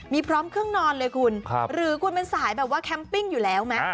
มีพร้อมเครื่องนอนเลยคุณหรือคุณเป็นสายแบบว่าแคมปิ้งอยู่แล้วไหม